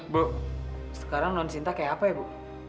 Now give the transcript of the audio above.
bu sekarang nonsinta kayak apa ya bu